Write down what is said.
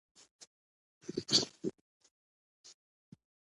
ترانسپورټ د ازادي راډیو د مقالو کلیدي موضوع پاتې شوی.